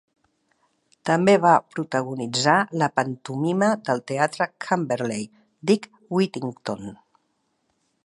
També va protagonitzar la pantomima del teatre Camberley "Dick Whittington".